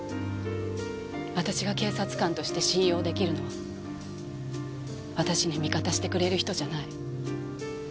私が警察官として信用出来るのは私に味方してくれる人じゃない。